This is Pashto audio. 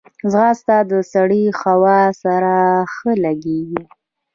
ځغاسته د سړې هوا سره ښه لګیږي